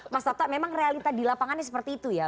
mas toto memang realita di lapangannya seperti itu ya